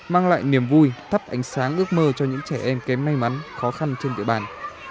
mang lại niềm vui thắp ánh sáng ước mơ cho những trẻ em kém may mắn khó khăn trên địa bàn